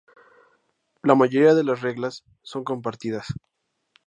La mayoría de las reglas son compartidas.